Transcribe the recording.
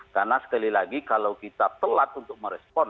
karena sekali lagi kalau kita telat untuk merespon